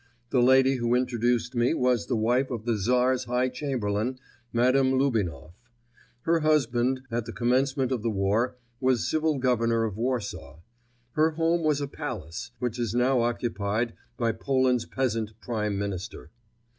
The lady who introduced me was the wife of the Tsar's High Chamberlain, Madame Lubinoff. Her husband, at the commencement of the war, was Civil Governor of Warsaw. Her home was a palace, which is now occupied by Poland's peasant Prime Minister.